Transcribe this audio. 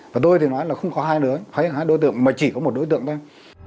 và tôi thì nói là không có hai đứa phải là hai đối tượng mà chỉ có một đối tượng thôi